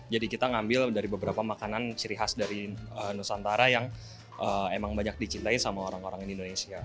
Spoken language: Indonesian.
jadi kita ngambil dari beberapa makanan ciri khas dari nusantara yang emang banyak dicintai sama orang orang indonesia